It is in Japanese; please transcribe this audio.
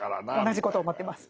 同じこと思ってます。